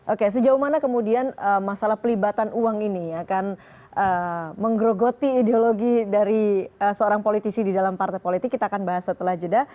oke sejauh mana kemudian masalah pelibatan uang ini akan menggerogoti ideologi dari seorang politisi di dalam partai politik kita akan bahas setelah jeda